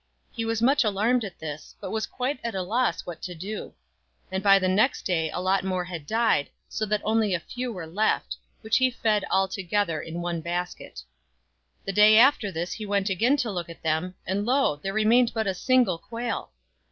He was much alarmed at this, but was quite at a loss what to do; and by the next day a lot more had died, so that only a few were left, which he fed all together in one basket. The day after this he went again to look at them, and lo ! there remained but a single quail.